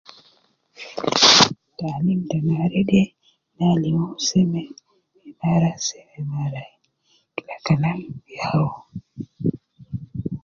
Taalim ta nare de ,gi alim seme mara seme mara wai, kila Kalam ya uwo